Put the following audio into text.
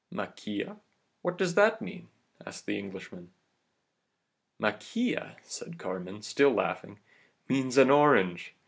"'Maquila, what does that mean?' asked the Englishman. "'Maquila,' said Carmen, still laughing, 'means an orange.